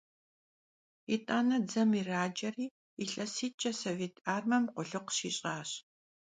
Yit'ane dzem yiraceri, yilhesit'ç'e sovêt armem khulıkhu şiş'aş.